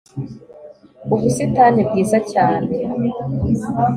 ubusitani bwiza cyane